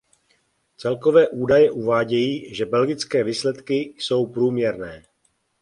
Celkové údaje uvádějí, že belgické výsledky jsou průměrné.